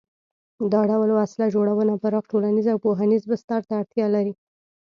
دا ډول وسله جوړونه پراخ ټولنیز او پوهنیز بستر ته اړتیا لري.